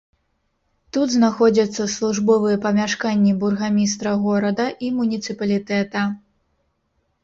Тут знаходзяцца службовыя памяшканні бургамістра горада і муніцыпалітэта.